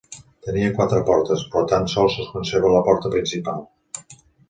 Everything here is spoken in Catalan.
Tenia quatre portes, però tan sols es conserva la porta principal.